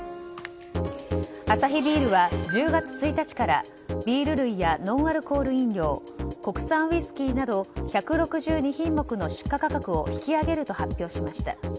アサヒビールは１０月１日からビール類やノンアルコール飲料国産ウイスキーなど１６２品目の出荷価格を引き上げると発表しました。